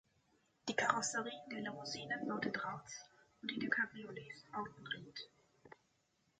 Die Karosserien der Limousinen baute Drauz und die der Cabriolets Autenrieth.